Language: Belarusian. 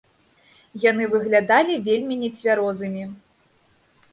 Яны выглядалі вельмі нецвярозымі.